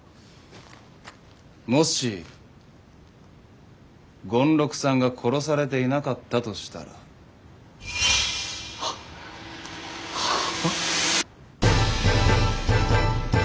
もし権六さんが殺されていなかったとしたら？ははあ？